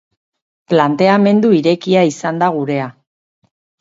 Planteamendu irekia izan da gurea.